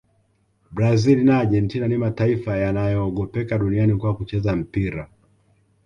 brazil na argentina ni mataifa yanayogopeka duniani kwa kucheza mpira